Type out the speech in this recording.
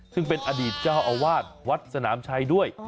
ซึ่งเป็นอดีตเจ้าอาวาสวัดสนามชัยด้วย